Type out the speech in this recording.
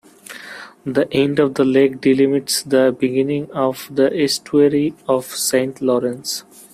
The end of the lake delimits the beginning of the estuary of Saint Lawrence.